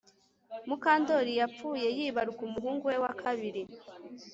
Mukandoli yapfuye yibaruka umuhungu we wa kabiri